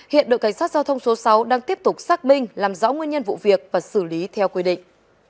hiện đội cảnh sát giao thông số sáu đang tiếp tục xác minh làm rõ nguyên nhân vụ việc và xử lý theo quy định